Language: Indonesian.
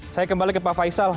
saya kembali ke pak faisal